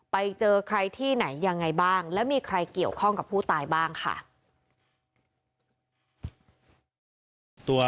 ไปเจอใครที่ไหนยังไงบ้างแล้วมีใครเกี่ยวข้องกับผู้ตายบ้างค่ะ